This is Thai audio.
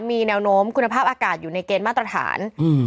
มีแนวโน้มคุณภาพอากาศอยู่ในเกณฑ์มาตรฐาน